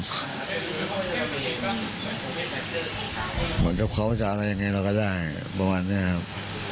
เหมือนเจอเขาจากอะไรยังไงเราก็ได้ประมาณนี้ครับ